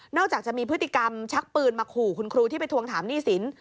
จากจะมีพฤติกรรมชักปืนมาขู่คุณครูที่ไปทวงถามหนี้สิน